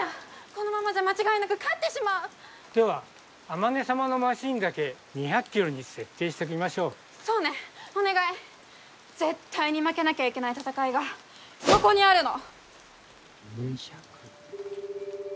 このままじゃ間違いなく勝ってしまうでは天音さまのマシンだけ２００キロに設定しときましょうそうねお願い絶対に負けなきゃいけない戦いがそこにあるの！